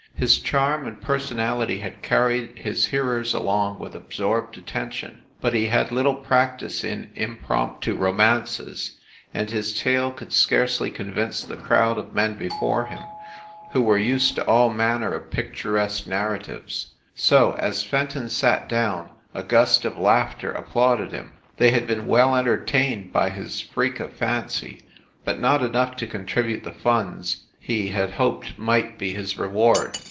His charm and personality had carried his hearers along with absorbed attention; but he had little practice in impromptu romances, and his tale could scarcely convince the crowd of men be fore him, who were used to all manner of pictur esque narratives. So, as Fenton sat down, a gust of laughter applauded him. They had been well en tertained by his freak of fancy, but not enough to contribute the funds he had hoped might be his re ward.